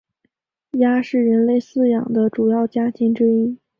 鸭是人类饲养的主要家禽之一。